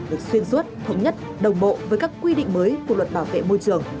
được xuyên suốt thống nhất đồng bộ với các quy định mới của luật bảo vệ môi trường